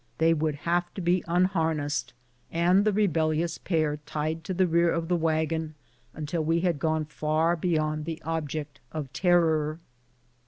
They would have to be unharnessed, and the rebellious pair tied to the rear of the wagon until we had gone far beyond the object of terror.